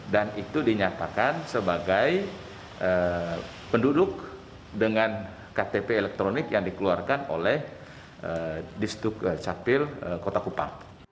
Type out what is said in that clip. dan itu dinyatakan sebagai penduduk dengan ktp elektronik yang dikeluarkan oleh distrik capil kota kupang